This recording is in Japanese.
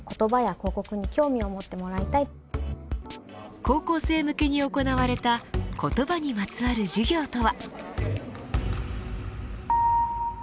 高校生向けに行われた言葉にまつわる授業とは。